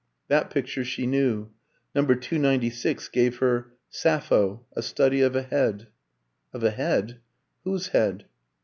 That picture she knew. No. 296 gave her "Sappho: A Study of a Head." Of a head? Whose head?